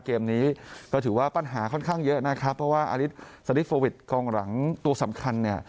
เกมนี้ก็ถือว่าปัญหาค่อนข้างเยอะนะครับเพราะว่าอริสสลิดโฟวิดกองหลังตัวสำคัญเนี่ย